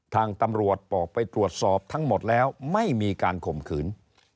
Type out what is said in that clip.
ทางตำรวจบอกไปตรวจสอบทั้งหมดแล้วไม่มีการข่มขืน